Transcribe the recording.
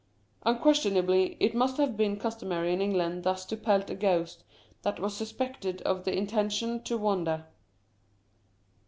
Unquestionably it must have been customary in England thus to pelt a ghost that was suspected of the intention to wander.